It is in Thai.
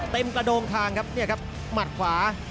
เต็มกระโดงทางครับนี่ครับ